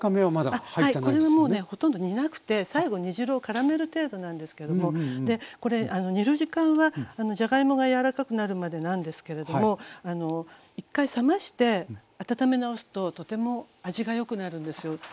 はいこれはもうねほとんど煮なくて最後煮汁をからめる程度なんですけどもこれ煮る時間はじゃがいもが柔らかくなるまでなんですけれども１回冷まして温め直すととても味がよくなるんですよ。